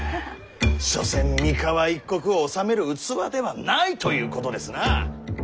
所詮三河一国を治める器ではないということですな。